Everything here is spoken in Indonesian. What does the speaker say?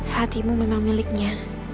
hatimu memang miliknya